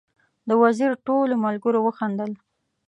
د وزیر ټولو ملګرو وخندل.